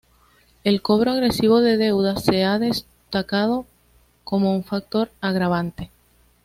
El cobro agresivo de deudas se ha destacado como un factor agravante.